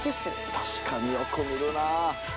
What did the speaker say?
確かによく見るなぁ。